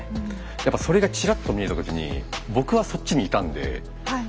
やっぱそれがちらっと見えた時に僕はそっちにいたんで一回は。